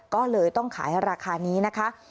ก็เลยต้องขายราคานี้นะคะ